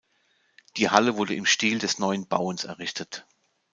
Die Halle wurde im Stil des "Neuen Bauens" errichtet.